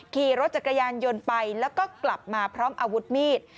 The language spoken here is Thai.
ขี่รถจักรยานยนต์ไปแล้วก็กลับมาพร้อมอาวุธมีด